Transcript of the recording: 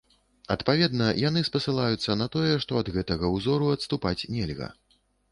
Адпаведна, яны спасылаюцца на тое, што ад гэтага ўзору адступаць нельга.